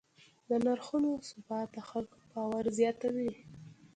د نرخونو ثبات د خلکو باور زیاتوي.